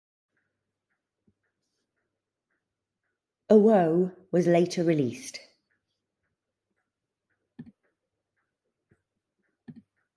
Owoh was later released.